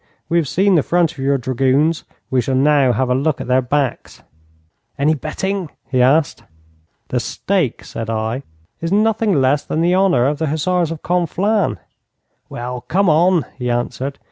'We have seen the front of your dragoons. We shall now have a look at their backs.' 'Any betting?' he asked. 'The stake,' said I, 'is nothing less than the honour of the Hussars of Conflans.' 'Well, come on!' he answered.